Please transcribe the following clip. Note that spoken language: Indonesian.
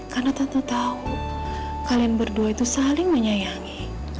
karena tante tahu kalian berdua itu saling menyayangi